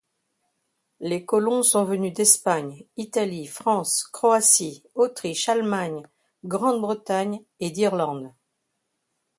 Les colons sont venus d'Espagne, Italie, France, Croatie, Autriche, Allemagne, Grande-Bretagne et d'Irlande.